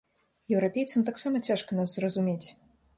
Еўрапейцам таксама цяжка нас зразумець.